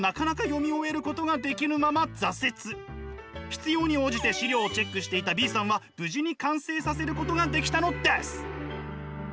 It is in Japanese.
必要に応じて資料をチェックしていたＢさんは無事に完成させることができたのです！